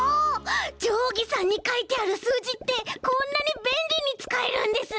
じょうぎさんにかいてあるすうじってこんなにべんりにつかえるんですね！